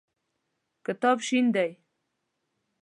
کتاب شین دی.